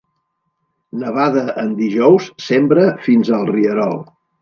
Nevada en dijous, sembra fins al rierol.